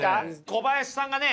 小林さんがね